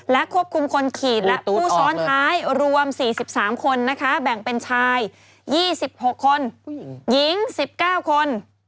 และควบคุมคนขี่และผู้ซ้อนท้ายรวม๔๓คนนะคะแบ่งเป็นชาย๒๖คนหญิง๑๙คน